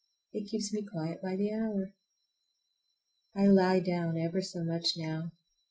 It keeps me quiet by the hour. I lie down ever so much now.